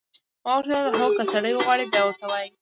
ما ورته وویل: هو، که سړی وغواړي، بیا ورته وایي.